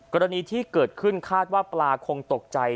กรณีที่เกิดขึ้นคาดว่าปลาคงตกใจ